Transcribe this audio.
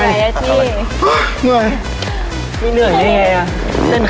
ไม่ต้องกลับมาที่นี่